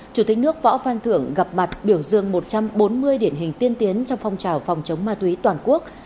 chủ tịch nước võ phan thưởng gặp mặt biểu dương một trăm bốn mươi điển hình tiên tiến trong phong trào phòng chống ma túy toàn quốc